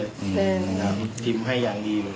อืมครับพิมพ์ให้อย่างดีเลยครับ